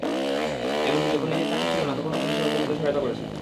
এমনকি যখন নিজের চাকরি ছিল না, তখনো তিনি সহকর্মীদের সহায়তা করেছেন।